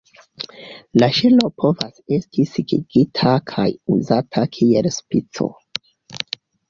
La ŝelo povas esti sekigita kaj uzata kiel spico.